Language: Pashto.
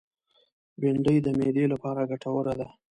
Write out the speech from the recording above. بېنډۍ د معدې لپاره ګټوره ده